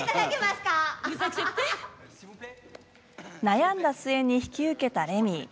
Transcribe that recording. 悩んだ末に引き受けたレミー。